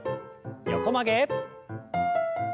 横曲げ。